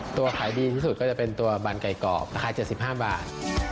ขายดีที่สุดก็จะเป็นตัวบันไก่กรอบราคา๗๕บาท